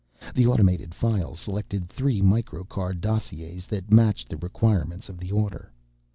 The automated files selected three microcard dossiers that matched the requirements of the order.